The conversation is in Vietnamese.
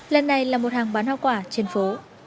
lần này là một hàng bán hoa quả trên phố